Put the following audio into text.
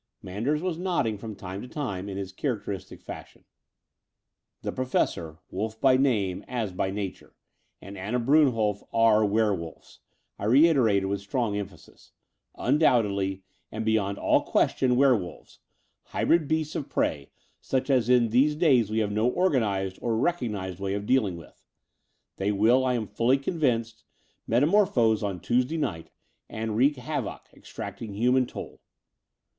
Man ders was nodding from time to time in his character istic fashion. P '*The Professor, wolf by name as by nature, and Anna Brunnolf are werewolves," I reiterated with strong emphasis — "undoubtedly and beyond all question werewolves, hybrid beasts of prey, such as in these days we have no organized or recognized way of dealing with. They will, I am fully convinced, metamorphose on Tuesday night and wreak havoc, exacting human toll.